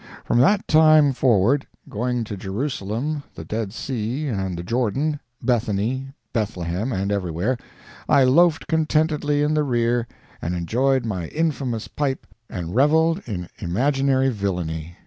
From that time forward, going to Jerusalem, the Dead Sea, and the Jordan, Bethany, Bethlehem, and everywhere, I loafed contentedly in the rear and enjoyed my infamous pipe and revelled in imaginary villainy.